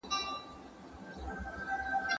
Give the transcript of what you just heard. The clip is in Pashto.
¬ په اوبو کوچي کوي.